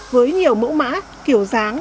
với nhiều mẫu mã kiểu dáng